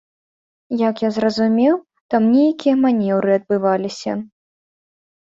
Як я зразумеў, там нейкія манеўры адбываліся.